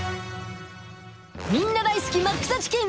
みんな大好きマックＴＨＥチキン！